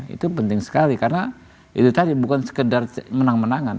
itu penting sekali karena itu tadi bukan sekedar menang menangan